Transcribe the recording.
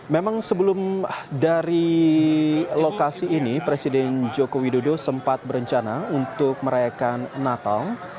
memang sebelum dari lokasi ini presiden joko widodo sempat berencana untuk merayakan natal